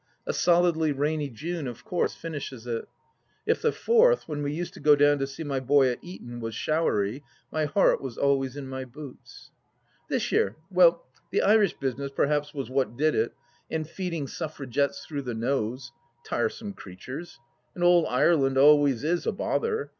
A solidly rainy June of course finishes it. If the Fourth, when we used to go down to see my boy at Eton, was showery, my heart was always in my boots. This year — ^well, the Irish business perhaps was what did it and feeding Suffragettes through the nose ! Tiresome creatures ! And ould Ireland always is a bother.